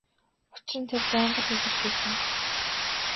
Учир нь тэр байнга улирч байсан.